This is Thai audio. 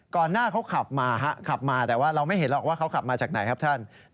หน้าเขาขับมาขับมาแต่ว่าเราไม่เห็นหรอกว่าเขาขับมาจากไหนครับท่าน